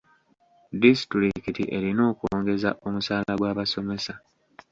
Disitulikiti erina okwongeza omusaala gw'abasomesa.